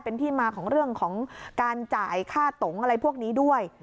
เป็นที่มาของเรื่องของการจ่ายค่าตงอะไรพวกนี้ด้วย